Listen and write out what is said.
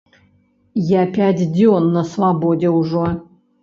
Я пяць дзён на свабодзе ўжо.